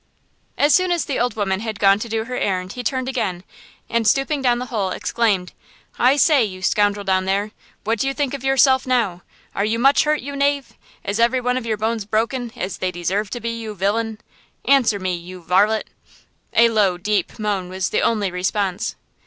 As soon as the old woman had gone to do her errand he turned again, and stooping down the hole, exclaimed: "I say, you scoundrel down there! What do you think of yourself now? Are you much hurt, you knave? Is everyone of your bones broken, as they deserve to be, you villain? Answer me, you varlet!" A low, deep moan was the only response.